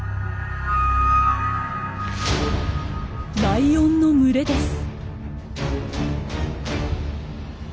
ライオンの群れです。